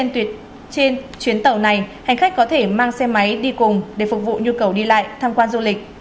trên chuyến tàu này hành khách có thể mang xe máy đi cùng để phục vụ nhu cầu đi lại tham quan du lịch